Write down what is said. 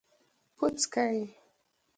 🍄🟫 پوڅکي